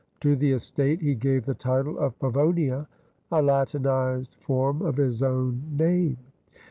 To the estate he gave the title of Pavonia, a Latinized form of his own name.